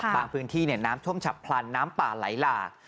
ค่ะบางพื้นที่เนี้ยน้ำช่วงฉับพรรณน้ำป่าหลายหลาก